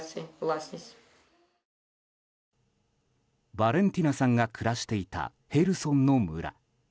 バレンティナさんが暮らしていた、ヘルソンの村。